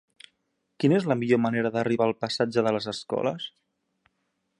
Quina és la millor manera d'arribar al passatge de les Escoles?